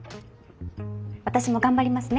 私も頑張りますね。